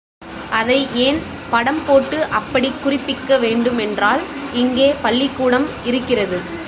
அதை ஏன் படம் போட்டு அப்படிக் குறிப்பிக்க வேண்டுமென்றால், இங்கே பள்ளிக்கூடம் இருக்கிறது.